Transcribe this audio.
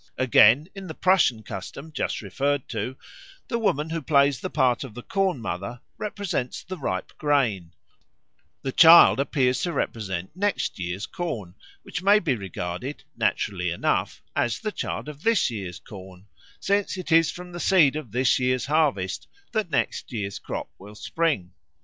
Again, in the Prussian custom just referred to, the woman who plays the part of Corn mother represents the ripe grain; the child appears to represent next year's corn, which may be regarded, naturally enough, as the child of this year's corn, since it is from the seed of this year's harvest that next year's crop will spring.